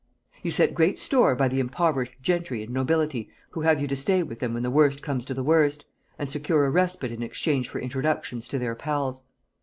You set great store by the impoverished gentry and nobility who have you to stay with them when the worst comes to the worst, and secure a respite in exchange for introductions to their pals.